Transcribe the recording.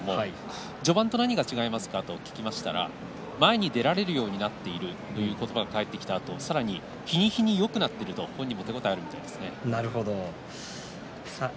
序盤と何が違いますか？と聞くと前に出られるようになっているという言葉が返ってきたあと日に日によくなっていると本人も手応えを言ってました。